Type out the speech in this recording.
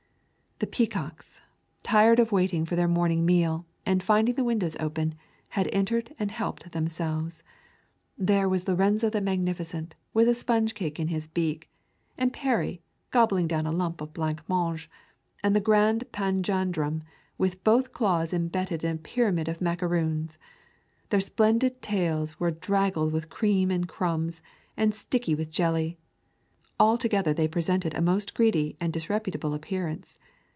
The peacocks, tired of waiting for their morning meal, and finding the windows open, had entered and helped themselves! There was Lorenzo the Magnificent with a sponge cake in his beak, and Peri gobbling down a lump of blanc mange, and the Grand Panjandrum with both claws embedded in a pyramid of macaroons. Their splendid tails were draggled with cream and crumbs, and sticky with jelly; altogether they presented a most greedy and disreputable appearance!